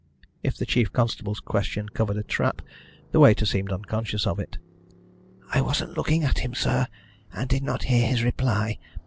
If the chief constable's question covered a trap, the waiter seemed unconscious of it. "I wasn't looking at him, sir, and did not hear his reply.